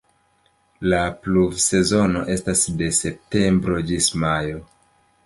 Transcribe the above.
La pluvsezono estas de septembro ĝis majo.